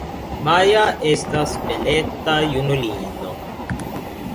Maja estas beleta junulino.